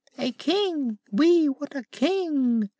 "A King! We want a King!"